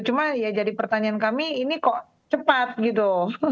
cuma ya jadi pertanyaan kami ini kok cepat gitu